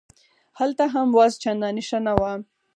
هلته هم وضع چندانې ښه نه وه.